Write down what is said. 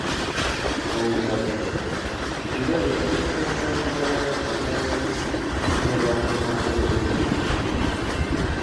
Naim sartarosh, «judayam ezma ekansan-da», degandek ijirg‘anib aftini burishtirdi.